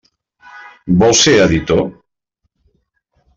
Vols ser editor?